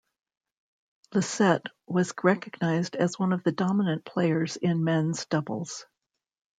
Lycett was recognised as one of the dominant players in men's doubles.